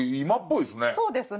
そうですね。